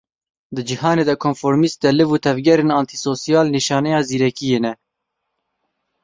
Di cîhaneke konformîst de liv û tevgerên antî-sosyal, nîşaneya zîrekiyê ne.